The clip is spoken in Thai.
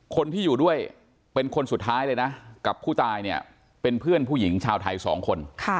คนที่อยู่ด้วยเป็นคนสุดท้ายเลยนะกับผู้ตายเนี่ยเป็นเพื่อนผู้หญิงชาวไทยสองคน